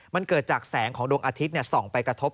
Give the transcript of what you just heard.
มันเกิดจากแสงของดวงอาทิตย์ส่องไปกระทบ